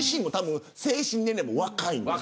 精神年齢も若いんです。